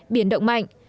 biển động mạnh